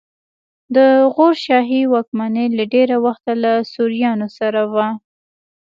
د غور شاهي واکمني له ډېره وخته له سوریانو سره وه